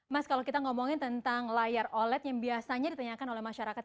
mas kalau kita ngomongin tentang layar oled yang biasanya ditanyakan oleh masyarakat